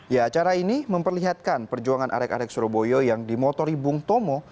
ya acara ini memperlihatkan perjuangan arek arek surabaya yang dimotori bung tomo